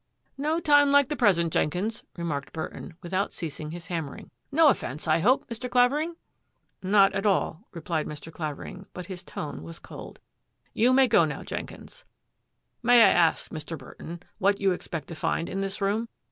" No time like the present, Jenkins," remarked Burton, without ceasing his hammering. " No of fence, I hope, Mr. Clavering.'* "" Not at all," replied Mr. Clavering, but his tone was cold. " You may go now, Jenkins. May I ask, Mr. Burton, what you expect to find in this room?